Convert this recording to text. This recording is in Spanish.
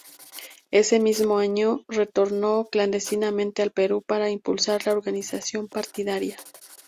Ese mismo año retornó clandestinamente al Perú para impulsar la organización partidaria.